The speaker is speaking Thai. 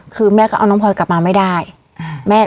คือแม่ก็เอาน้องพลอยกลับมาไม่ได้